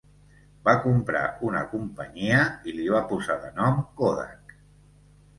Va comprar una companyia i li va posar de nom "Kodak".